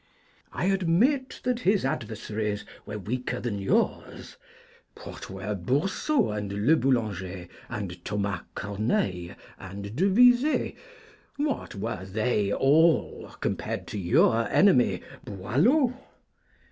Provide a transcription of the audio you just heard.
I admit that his adversaries were weaker than yours. What were Boursault and Le Boulanger, and Thomas Corneille and De Visé, what were they all compared to your enemy, Boileau?